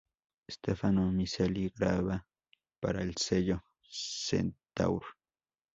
Stefano Miceli graba para el sello Centaur.